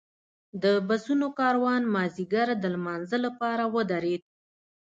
د بسونو کاروان مازیګر د لمانځه لپاره ودرېد.